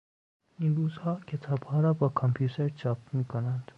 این روزها کتاب را با کامپیوتر چاپ میکنند.